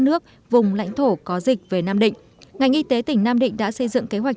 nước vùng lãnh thổ có dịch về nam định ngành y tế tỉnh nam định đã xây dựng kế hoạch